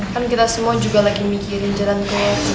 kan kita semua juga lagi mikirin jalan ke sini